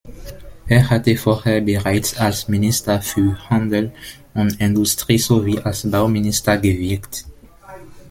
Er hatte vorher bereits als "Minister für Handel und Industrie" sowie als Bauminister gewirkt.